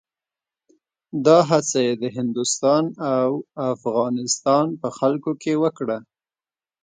دا هڅه یې د هندوستان او افغانستان په خلکو کې وکړه.